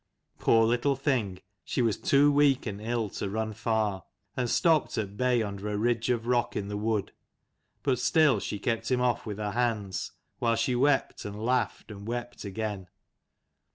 " Poor little thing, she was too weak and ill to run far : and stopped at bay under a ridge of rock in the wood. But still she kept him off with her hands, while she wept and laughed and wept again.